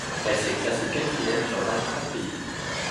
Elle s'est classée quatrième sur vingt-trois pays.